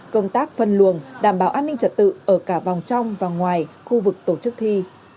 công tác phân luồng đảm bảo an ninh trật tự ở cả vòng trong và ngoài khu vực tổ chức thi